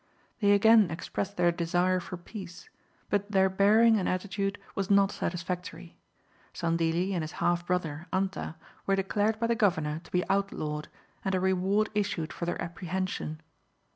They again expressed their desire for peace, but their bearing and attitude was not satisfactory. Sandilli and his half brother, Anta, were declared by the Governor to be outlawed, and a reward issued for their apprehension.